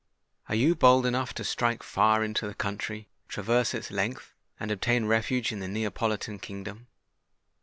Are you bold enough to strike far into the country, traverse its length, and obtain refuge in the Neapolitan kingdom?"